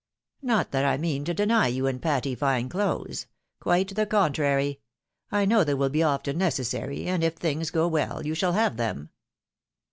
Not that I mean to deny you and Patty fine clothes. Quite the contrary. I know they will be often necessary ; and, if things go well, you shall have them."